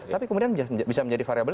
tapi kemudian bisa menjadi variabel